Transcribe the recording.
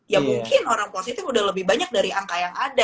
ya mungkin orang positif udah lebih banyak dari angka yang ada